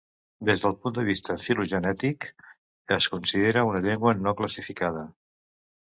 Des del punt de vista filogenètic es considera una llengua no classificada.